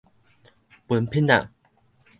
歕 𥰔 仔